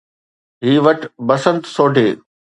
هي وٺ، بسنت سوڍي.